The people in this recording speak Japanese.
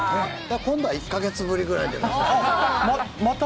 今度は１か月ぶりぐらいでまた。